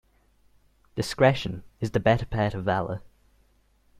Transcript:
Discretion is the better part of valour.